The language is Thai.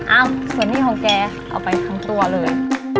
ส่วนหนี้ของแกเอาไปทั้งตัวเลย